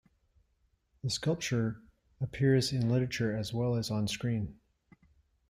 The sculpture appears in literature as well as onscreen.